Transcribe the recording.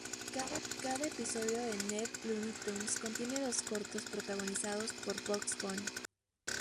Cada episodio de "New Looney Tunes" contiene dos cortos, protagonizados por Bugs Bunny.